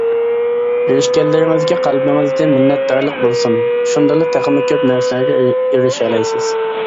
ئېرىشكەنلىرىڭىزگە قەلبىڭىزدە مىننەتدارلىق بولسۇن، شۇندىلا تېخىمۇ كۆپ نەرسىلەرگە ئېرىشەلەيسىز.